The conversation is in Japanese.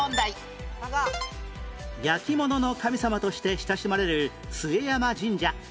「やきものの神様」として親しまれる陶山神社